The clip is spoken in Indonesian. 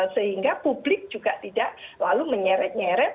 sehingga publik juga tidak lalu menyeret nyeret